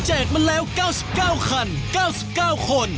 มาแล้ว๙๙คัน๙๙คน